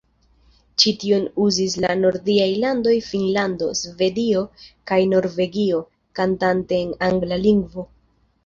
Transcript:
Ĉi-tion uzis la nordiaj landoj Finnlando, Svedio kaj Norvegio, kantante en angla lingvo.